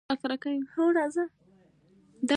ما تر دې دمه په هېچا باندې ډز نه و کړی